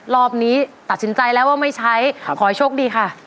รอบนี้ตัดสินใจแล้วว่าไม่ใช้ขอให้โชคดีค่ะ